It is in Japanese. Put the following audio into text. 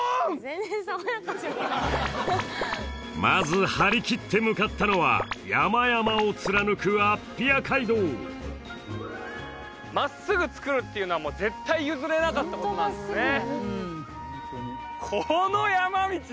まず張り切って向かったのは山々を貫くアッピア街道真っすぐつくるっていうのは絶対譲れなかったことなんですね